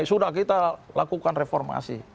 sudah kita lakukan reformasi